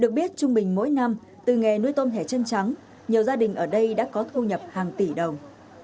được biết trung bình mỗi năm từ nghề nuôi tôm hẻ chân trắng nhiều gia đình ở đây đã có thu nhập hàng tỷ đồng